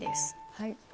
はい。